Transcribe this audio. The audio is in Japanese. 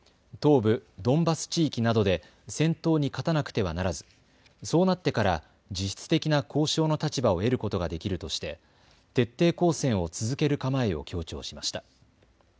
東部ドンバス地域などで戦闘に勝たなくてはならずそうなってから実質的な交渉の立場を得ることができるとして徹底抗戦を続ける構えを強調しました。